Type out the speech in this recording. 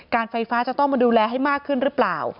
ไฟฟ้าจะต้องมาดูแลให้มากขึ้นหรือเปล่า